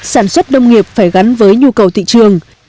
sản xuất nông nghiệp phải gắn với nhu cầu thị trường